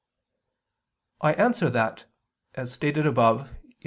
I answer that, As stated above (Q.